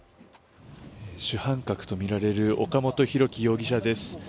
主犯格とみられる岡本大樹容疑者です。